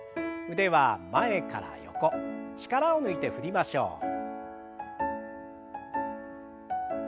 腕は前から横力を抜いて振りましょう。